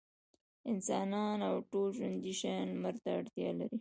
انسانان او ټول ژوندي شيان لمر ته اړتيا لري.